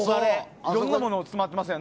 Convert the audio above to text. いろんなものが詰まってますからね。